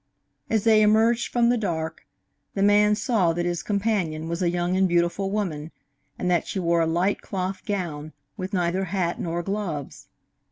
As they emerged from the dark, the man saw that his companion was a young and beautiful woman, and that she wore a light cloth gown, with neither hat nor gloves.